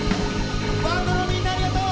バンドのみんなありがとう！